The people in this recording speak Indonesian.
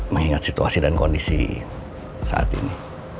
mengingat situasi dan kondisi saat ini